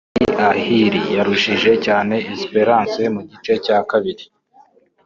Al Ahli yarushije cyane Esperance mu gice cya kabiri